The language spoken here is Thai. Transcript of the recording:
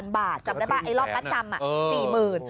๔๖๐๐๐บาทจำได้ปะไอ้รอบประจำสี่หมื่น